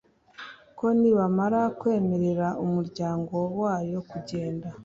ko nibamara kwemerera umuryango wayo kugenda